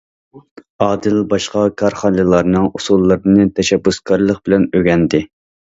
ئادىل باشقا كارخانىلارنىڭ ئۇسۇللىرىنى تەشەببۇسكارلىق بىلەن ئۆگەندى.